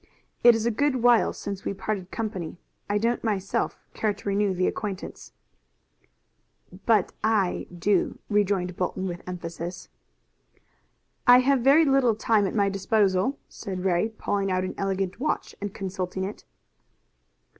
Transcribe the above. "It is a good while since we parted company. I don't myself care to renew the acquaintance." "But I do," rejoined Bolton with emphasis. "I have very little time at my disposal," said Ray, pulling out an elegant gold watch and consulting it.